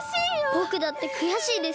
ぼくだってくやしいです。